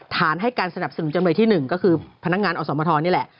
ให้การสนับสนุนจำเลยที่๑ก็คือพนักงานอสมทรนี่แหละ